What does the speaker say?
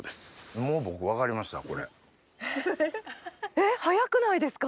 えっ早くないですか？